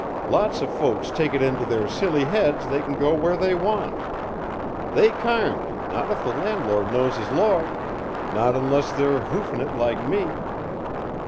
Lots of folks take it into their silly heads they can go where they want. They carnt, not if the Landlord knows his Lor, not unless they're hoofin' it like me.